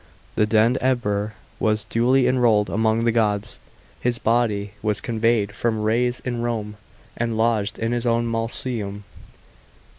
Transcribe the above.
The dend Emperor was duly enrolled among the gods. His body was conveyed from Raise in Rome, and lodged in his own mausoleum.